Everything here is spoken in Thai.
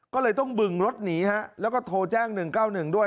ก็เลยต้องบึงรถหนีฮะแล้วก็โทรแจ้ง๑๙๑ด้วย